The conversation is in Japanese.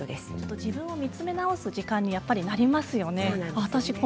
自分を見つめ直す時間になりますよね